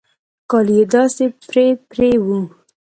کالي يې داسې پرې پرې وو.